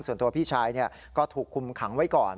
ส่วนตัวพี่ชายก็ถูกคุมขังไว้ก่อน